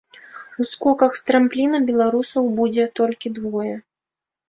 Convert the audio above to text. У скоках з трампліна беларусаў будзе толькі двое.